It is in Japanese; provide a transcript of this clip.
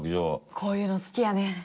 こういうの好きやねん。